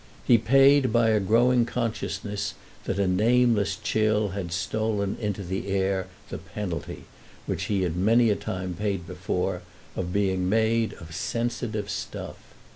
He paid by a growing consciousness that a nameless chill had stolen into the air the penalty, which he had many a time paid before, of being made of sensitive stuff.